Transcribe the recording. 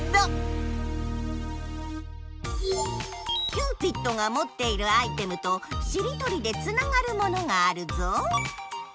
キューピッドがもっているアイテムとしりとりでつながるものがあるぞ！